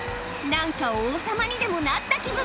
何か王様にでもなった気分